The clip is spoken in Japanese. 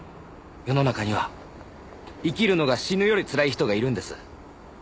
世の中には生きるのが死ぬよりつらい人がいるんです。